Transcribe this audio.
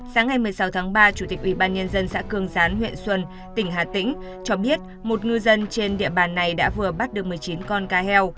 sáng ngày một mươi sáu tháng ba chủ tịch ủy ban nhân dân xã cường gián huyện xuân tỉnh hà tĩnh cho biết một ngư dân trên địa bàn này đã vừa bắt được một mươi chín con cá heo